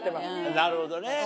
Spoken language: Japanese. なるほどね。